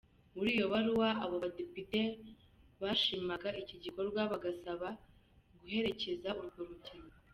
Muri iyo baruwa abo badepite bashimaga iki gikorwa, bagasaba guherekeza urwo rubyiruko.